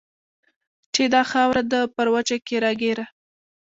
چې دا خاوره ده پر وچه کې راګېره